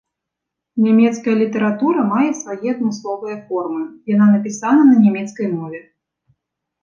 Нямецкая літаратура мае свае адмысловыя формы, яна напісана на нямецкай мове.